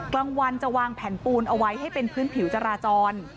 กลางวันจะวางแผ่นปูนเอาไว้ให้เป็นพื้นผิวจราจร